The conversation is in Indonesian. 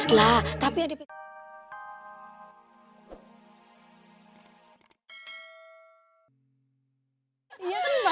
iya kan pada banget kan